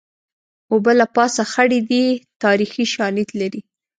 اوبه له پاسه خړې دي تاریخي شالید لري